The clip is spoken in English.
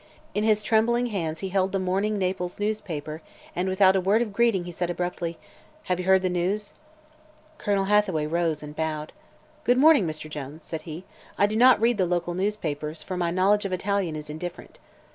In his trembling hands he held the morning Naples newspaper and without a word of greeting he said abruptly: "Have you heard the news?" Colonel Hathaway rose and bowed. "Good morning, Mr. Jones," said he. "I do not read the local newspapers, for my knowledge of Italian is indifferent."